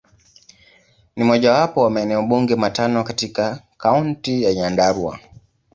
Ni mojawapo wa maeneo bunge matano katika Kaunti ya Nyandarua.